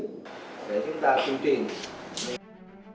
để chúng ta chung truyền